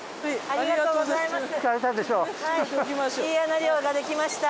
ありがとうございます。